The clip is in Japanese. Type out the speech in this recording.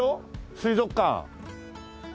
水族館。